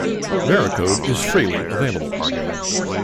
Varicode is freely available.